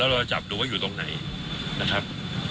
เราจะจับดูว่าอยู่ตรงไหนนะครับ